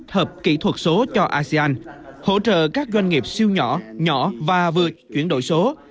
hợp kỹ thuật số cho asean hỗ trợ các doanh nghiệp siêu nhỏ nhỏ và vừa chuyển đổi số